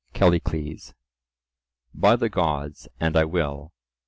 CALLICLES: By the gods, and I will.